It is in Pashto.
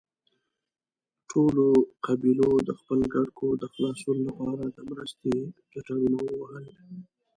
ټولو قبيلو د خپل ګډ کور د خلاصون له پاره د مرستې ټټرونه ووهل.